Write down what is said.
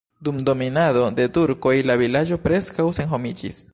Dum dominado de turkoj la vilaĝo preskaŭ senhomiĝis.